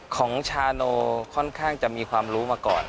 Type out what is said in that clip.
ของชาโนค่อนข้างจะมีความรู้มาก่อน